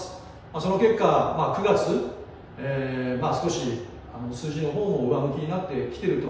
その結果、９月、少し数字のほうも上向きになってきていると。